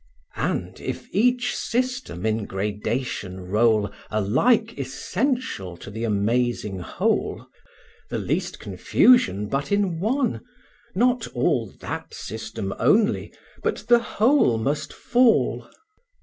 And, if each system in gradation roll Alike essential to the amazing whole, The least confusion but in one, not all That system only, but the whole must fall.